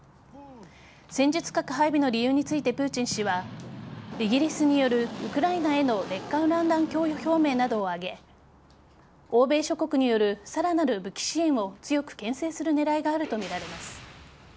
戦術核配備の理由についてプーチン氏はイギリスによるウクライナへの劣化ウラン弾供与表明などを挙げ欧米諸国によるさらなる武器支援を強くけん制する狙いがあるとみられます。